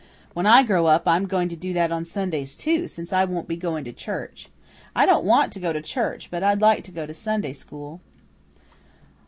When I grow up, I'm going to do that on Sundays too, since I won't be going to church. I don't want to go to church, but I'd like to go to Sunday school."